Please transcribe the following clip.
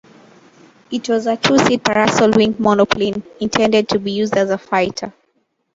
It was a two-seat parasol-wing monoplane, intended to be used as a fighter.